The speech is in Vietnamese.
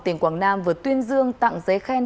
tiền quảng nam vừa tuyên dương tặng giấy khen